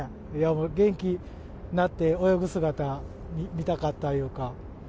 元気になって泳ぐ姿、見たかったいうか。